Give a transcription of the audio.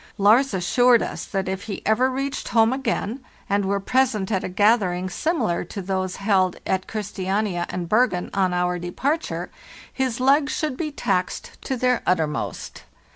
Lars assured us that if he ever reached home again and were present at a gathering similar to those held at Christiania and Bergen on our departure, his legs should be taxed to their uttermost.